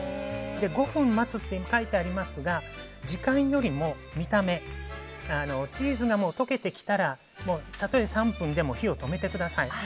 ５分待つと書いてありますが時間よりも見た目チーズが溶けてきたらもう、たとえ３分でも火を止めてください。